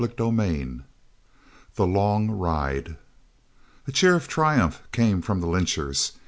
CHAPTER XXV THE LONG RIDE A cheer of triumph came from the lynchers.